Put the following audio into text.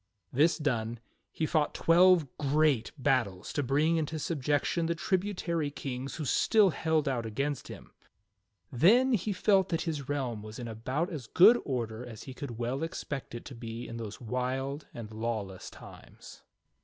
This done, he fought twelve great battles to bring into subjec tion the tributary kings who still held out against him. Then he 25 20 THE STORY OF KING ARTHUR felt that Ills realm was in about as good order as he could well expect it to be in those wild and lawless times.